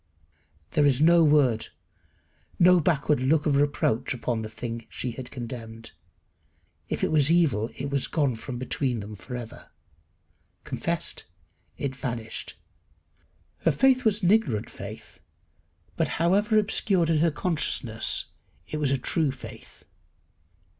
There is no word, no backward look of reproach upon the thing she had condemned. If it was evil it was gone from between them for ever. Confessed, it vanished. Her faith was an ignorant faith, but, however obscured in her consciousness, it was a true faith.